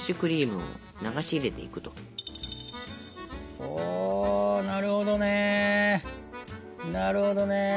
おなるほどねなるほどね。